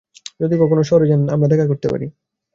যদি কখনো শহরে যান তো আমরা দেখা করতে পারি।